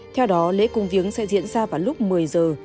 theo đó lễ cung viếng sẽ diễn ra vào lúc một mươi giờ